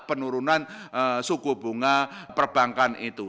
penurunan suku bunga perbankan itu